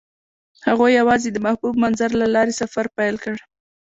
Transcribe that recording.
هغوی یوځای د محبوب منظر له لارې سفر پیل کړ.